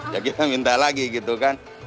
jadi kita minta lagi gitu kan